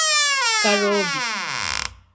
kara obi